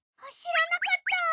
知らなかった。